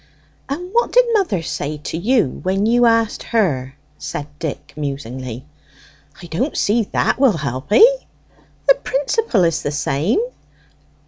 "And what did mother say to you when you asked her?" said Dick musingly. "I don't see that that will help 'ee." "The principle is the same."